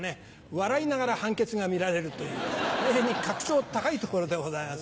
笑いながら判決が見られるという格調高い所でございます。